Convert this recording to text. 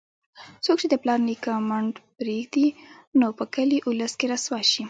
څوک چې د پلار نیکه منډ پرېږدي، نو په کلي اولس کې رسوا شي.